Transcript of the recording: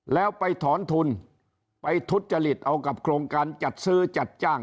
แล้วไปถอนทุนไปทุจริตเอากับโครงการจัดซื้อจัดจ้าง